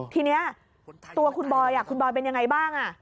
ทีนี้ตัวคุณบอยคุณบอยเป็นยังไงบ้าง